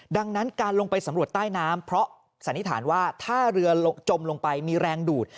ดังนั้นการลงไปสำรวจใต้น้ำเพราะสันนิษฐานว่าถ้าเรือจมลงไปมีแรงดูด